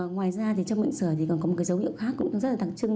ngoài ra trong bệnh sời thì còn có một dấu hiệu khác cũng rất là đặc trưng